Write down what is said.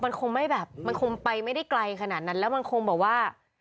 มันคงไม่แบบมันคงไปไม่ได้ไกลขนาดนั้นแล้วมันคงแบบว่า